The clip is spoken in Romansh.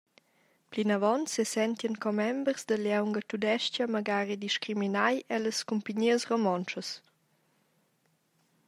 Plinavon sesentien commembers da lieunga tudestga magari discriminai ellas cumpignias romontschas.